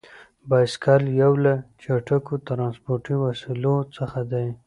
بایسکل یو له چټکو ترانسپورتي وسیلو څخه دی.